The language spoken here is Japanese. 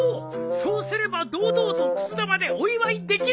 そうすれば堂々とくす玉でお祝いできるのう！